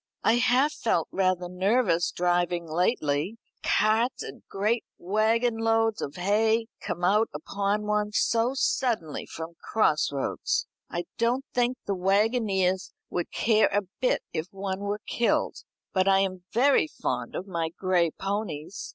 I have felt rather nervous driving lately carts and great waggon loads of hay come out upon one so suddenly from cross roads. I don't think the waggoners would care a bit if one were killed. But I am very fond of my gray ponies.